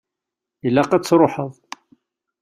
Ilaq ad tṛuḥeḍ.